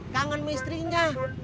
kangen sama istrinya